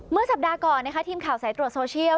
เมื่อสัปดาห์ก่อนนะคะทีมข่าวสายตรวจโซเชียล